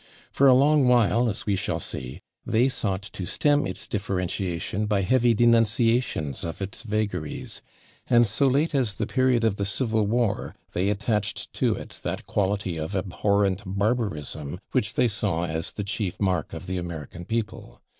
For a long while, as we shall see, they sought to stem its differentiation by heavy denunciations of its vagaries, and so late as the period of the Civil War they attached to it that quality of abhorrent barbarism which they saw as the chief mark of the American people.